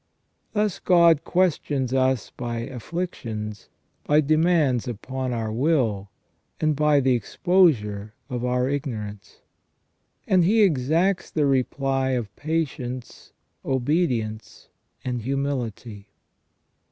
Thus God questions us by afflictions, by demands upon our will, and by the exposure of our ignorance ', and He exacts the reply of patience, obedience, and humility.